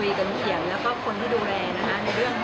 ลุงเอี่ยมปฏิเสธความช่วยเหลือหลายด้านเลยค่ะ